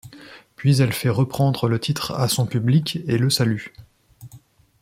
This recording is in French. Puis elle fait reprendre le titre à son public et le salue.